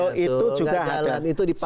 beliau itu juga ada